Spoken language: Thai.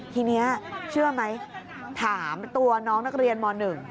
ทีนี้เชื่อไหมถามตัวน้องนักเรียนม๑